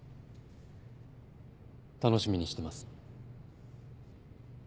楽しみにしてます。